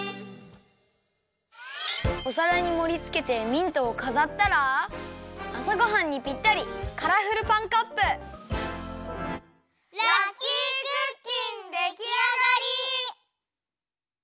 おさらにもりつけてミントをかざったらあさごはんにぴったりラッキークッキンできあがり！